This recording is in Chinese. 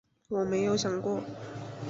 我没有想过